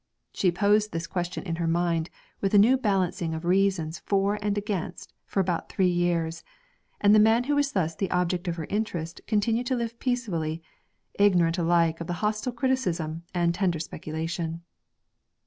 She poised this question in her mind with a nice balancing of reasons for and against for about three years, and the man who was thus the object of her interest continued to live peacefully, ignorant alike of hostile criticism and tender speculation.